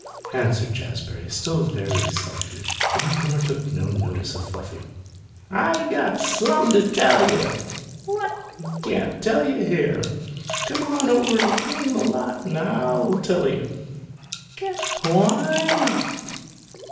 answered Jazbury, still very sulky. The newcomer took no notice of Fluffy. "I got sumpin' to tell you." "What?" "Can't tell you here. Come on over in the lot and I'll tell you." "Can't." "Why not?"